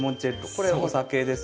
これお酒です。